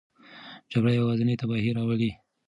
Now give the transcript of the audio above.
جګړه یوازې تباهي راوړي.